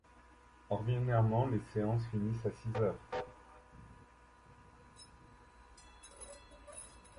Ordinairement les séances finissent à six heures.